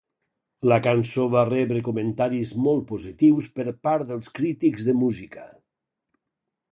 La cançó va rebre comentaris molt positius per part dels crítics de música.